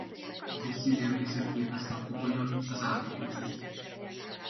A fosszília részét képezte a koponya és az állkapocs is.